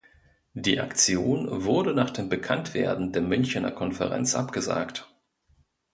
Die Aktion wurde nach dem Bekanntwerden der Münchener Konferenz abgesagt.